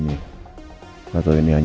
apa bener nina tinggal di daerah sini